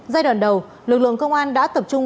giai đoạn đầu lực lượng công an đã tập trung